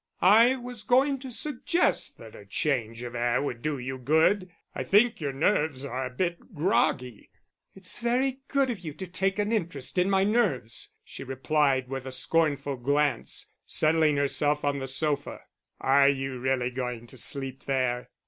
"I was going to suggest that a change of air would do you good. I think your nerves are a bit groggy." "It's very good of you to take an interest in my nerves," she replied, with a scornful glance, settling herself on the sofa. "Are you really going to sleep there?"